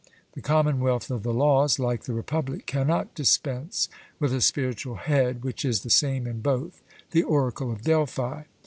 The commonwealth of the Laws, like the Republic, cannot dispense with a spiritual head, which is the same in both the oracle of Delphi.